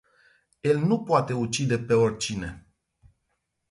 El nu poate ucide pe oricine.